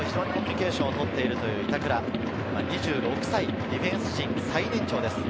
守田とコミュニケーションをとっているという板倉、２６歳、ディフェンス陣最年長です。